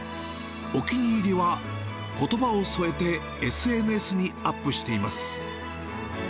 お気に入りは、ことばを添えてＳＮＳにアップしています。